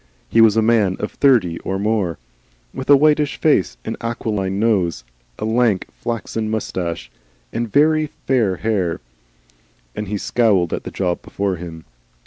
He was a man of thirty or more, with a whitish face, an aquiline nose, a lank, flaxen moustache, and very fair hair, and he scowled at the job before him.